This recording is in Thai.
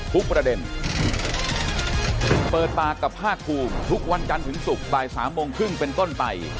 ทุกประเด็นเปิดปากกับภาคภูมิทุกวันจันทร์ถึงศุกร์บ่ายสามโมงครึ่งเป็นต้นไป